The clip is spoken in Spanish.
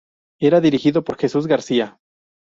Era dirigido por Jesús García.